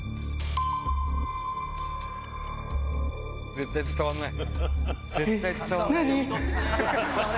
絶対伝わんない。